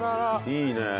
いいねえ。